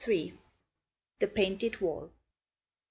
THE PAINTED WALL.